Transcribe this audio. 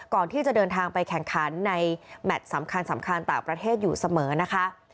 ก่อนที่จะเดินทางไปแข่งขันในแมทสำคัญสำคัญต่างประเทศอยู่เสมอนะคะ